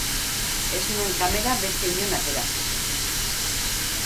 Ez nuen kamera beste inon atera.